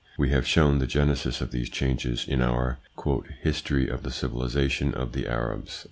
We have shown the genesis of these changes in our " History of the Civilisation of the Arabs."